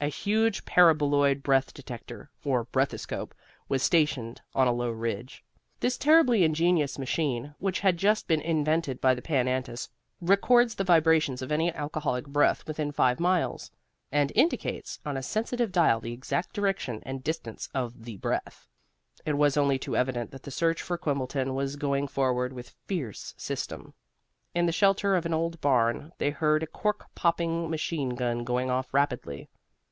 A huge paraboloid breath detector (or breathoscope) was stationed on a low ridge. This terribly ingenious machine, which had just been invented by the pan antis, records the vibrations of any alcoholic breath within five miles, and indicates on a sensitive dial the exact direction and distance of the breath. It was only too evident that the search for Quimbleton was going forward with fierce system. In the shelter of an old barn they heard a cork popping machine gun going off rapidly.